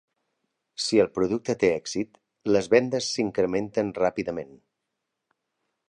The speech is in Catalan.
Si el producte té èxit, les vendes s'incrementen ràpidament.